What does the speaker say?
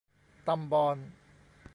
ตำบอน